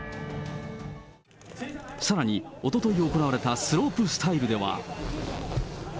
さらにおととい行われたスロープスタイルでは。